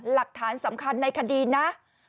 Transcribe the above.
หลักฐานสำคัญในคดีนะ